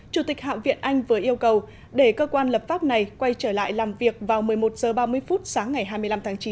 chủ tịch hạ viện anh vừa yêu cầu để cơ quan lập pháp này quay trở lại làm việc vào một mươi một h ba mươi phút sáng ngày hai mươi năm tháng chín